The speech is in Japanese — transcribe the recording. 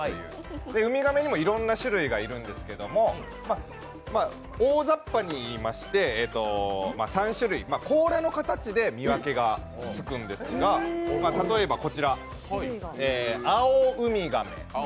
海亀にもいろんな種類がいるんですけど大ざっぱに言いまして、３種類、甲羅の形で見分けがつくんですが、例えばこちら、アオウミガメ